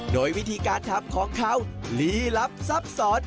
โดยวิธีการทำของเขาลี้ลับซับซ้อน